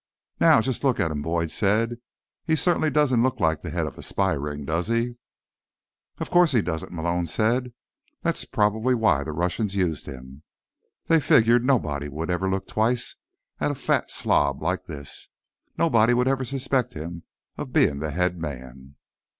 "Now, just look at him," Boyd said. "He certainly doesn't look like the head of a spy ring, does he?" "Of course he doesn't," Malone said. "That's probably why the Russians used him. They figured nobody would ever look twice at a fat slob like this. Nobody would ever suspect him of being the head man."